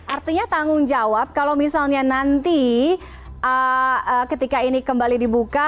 artinya tanggung jawab kalau misalnya nanti ketika ini kembali dibuka